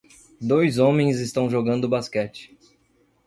Dois homens estão jogando basquete